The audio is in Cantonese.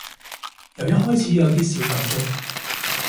由一開始有啲小感觸